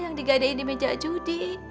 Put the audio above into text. yang digadein di meja judi